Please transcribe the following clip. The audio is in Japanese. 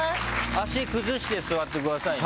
足崩して座ってくださいね。